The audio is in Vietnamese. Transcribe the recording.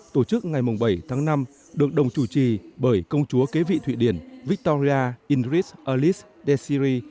tổ chức ngày bảy tháng năm được đồng chủ trì bởi công chúa kế vị thụy điển victoria ingrid alice d essery